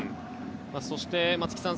そして、松木さん